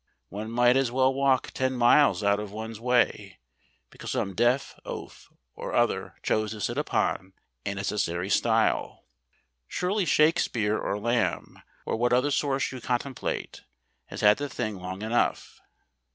One might as well walk ten miles out of one's way because some deaf oaf or other chose to sit upon a necessary stile. Surely Shakespeare or Lamb, or what other source you contemplate, has had the thing long enough?